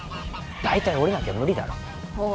大体檻なきゃ無理だろああ